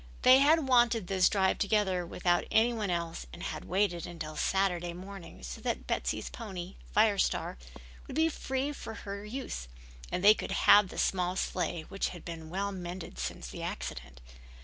They had wanted this drive together without any one else and had waited until Saturday morning so that Betty's pony, Fire Star, would be free for her use and they could have the small sleigh, which had been well mended since the accident.